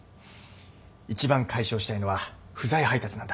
一番解消したいのは不在配達なんだ。